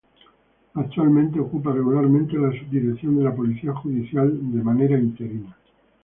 Actualmente ocupa regularmente la subdirección de la Policía Judicial de manera interina.